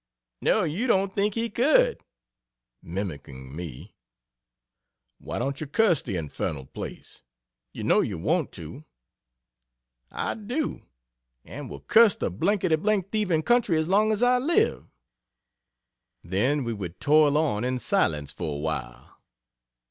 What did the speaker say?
"No you don't think he could " (mimicking me,) "Why don't you curse the infernal place? You know you want to. I do, and will curse the thieving country as long as I live." Then we would toil on in silence for awhile.